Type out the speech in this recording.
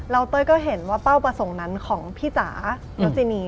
แล้วเต้ยก็เห็นว่าเป้าประสงค์นั้นของพี่จ๋ารจินี